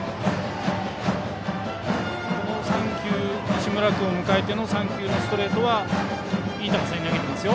西村君を迎えてからの３球のストレートはいい高さに投げていますよ。